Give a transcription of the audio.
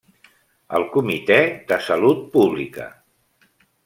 El Comitè de Salut Pública.